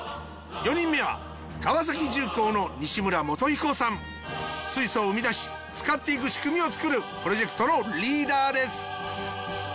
４人目は水素を生み出し使っていく仕組みを作るプロジェクトのリーダーです。